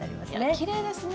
きれいですね。